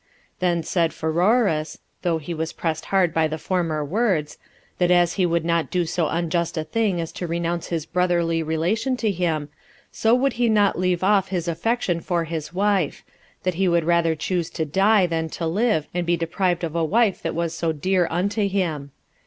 Then said Pheroras, [although he was pressed hard by the former words,] that as he would not do so unjust a thing as to renounce his brotherly relation to him, so would he not leave off his affection for his wife; that he would rather choose to die than to live, and be deprived of a wife that was so dear unto him.